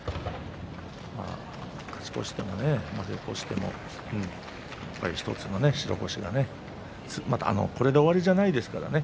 勝ち越しても負け越してもやっぱり１つの白星がこれで終わりじゃないですからね。